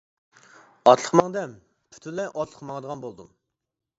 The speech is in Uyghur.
ئاتلىق ماڭدىم، پۈتۈنلەي ئاتلىق ماڭىدىغان بولدۇم.